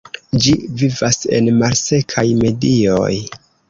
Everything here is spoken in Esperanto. Ĝi vivas en malsekaj medioj.